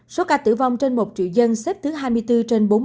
số ca tử vong trên một triệu dân xếp thứ hai mươi bốn trên bốn mươi chín quốc gia